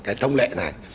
cái thông lệ này